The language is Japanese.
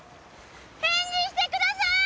返事してください！